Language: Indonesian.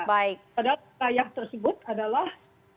padahal kata yang tersebut adalah